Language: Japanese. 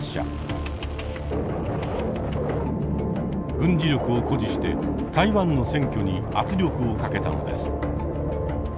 軍事力を誇示して台湾の選挙に圧力をかけたのです。